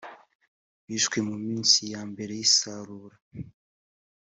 bishwe mu minsi ya mbere y isarura